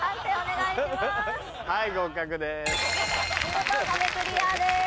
はい合格です。